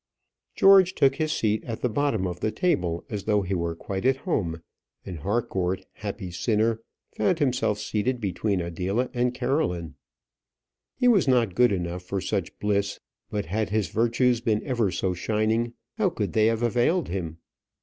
George took his seat at the bottom of the table, as though he were quite at home; and Harcourt, happy sinner! found himself seated between Adela and Caroline. He was not good enough for such bliss. But had his virtues been ever so shining, how could they have availed him?